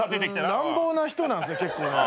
乱暴な人なんすね結構。